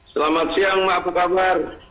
selamat siang apa kabar